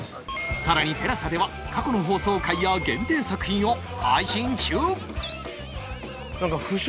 さらに ＴＥＬＡＳＡ では過去の放送回や限定作品を配信中！